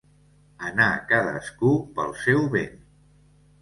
Anar cadascú pel seu vent.